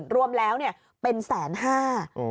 ๕๐๐๐๐๕๐๐๐๐รวมแล้วเนี่ยเป็นแสนห้า